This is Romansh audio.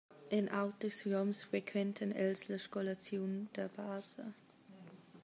En auters roms frequentan els la scolaziun da basa.